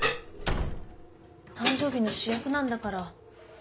誕生日の主役なんだから。